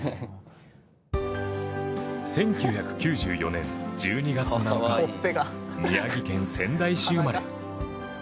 １９９４年１２月７日宮城県仙台市生まれ。